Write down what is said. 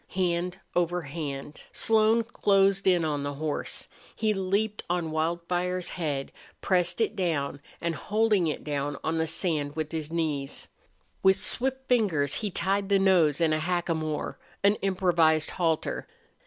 Hand over hand Slone closed in on the horse. He leaped on Wildfire's head, pressed it down, and, holding it down on the sand with his knees, with swift fingers he tied the nose in a hackamore an improvised halter.